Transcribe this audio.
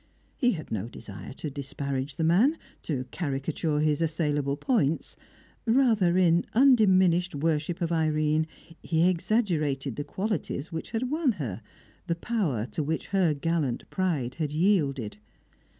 He had no desire to disparage the man, to caricature his assailable points; rather, in undiminished worship of Irene, he exaggerated the qualities which had won her, the power to which her gallant pride had yielded.